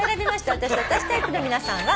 私と私タイプの皆さんは。